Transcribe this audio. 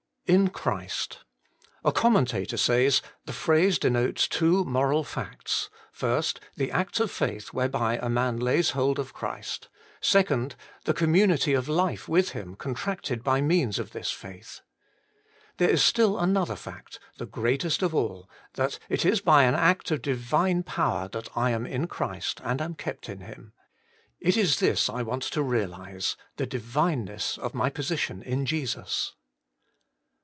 2. In Christ. A commentator says, ' The phrase denotes two moral facts first, the act of faith whereby a man lays hold of Christ; second, the community of life with Him contracted by means of this faith.' There is still another fact, the greatest of all : that it is by an act of Divine power that I am in Christ and am kept in Him. It is this I want to realize : the Dlvineness of my position in Jesus.